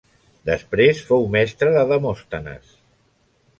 Després fou mestre de Demòstenes.